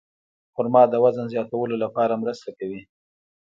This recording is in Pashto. خرما د وزن زیاتولو لپاره مرسته کوي.